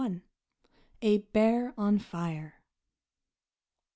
A BEAR ON FIRE.